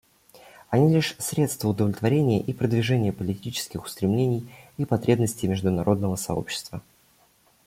Они лишь средства удовлетворения и продвижения политических устремлений и потребностей международного сообщества.